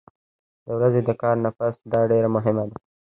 د ورځې د کار نه پس دا ډېره مهمه ده